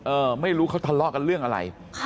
ไม่รู้เขาทะเลาะกันเรื่องอะไร